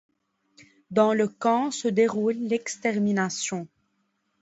Dans le camp se déroule l'extermination.